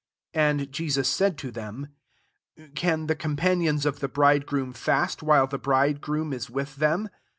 19 And Jesus said to them, " Can the com panions of the bridegroom fast, while the bridegroom is with them